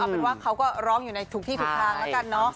เอาเป็นว่าเขาก็ร้องอยู่ในทุกที่ทุกทาง